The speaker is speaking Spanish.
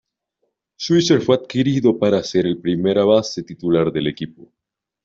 Swisher fue adquirido para ser el primera base titular del equipo.